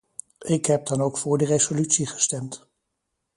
Ik heb dan ook voor de resolutie gestemd.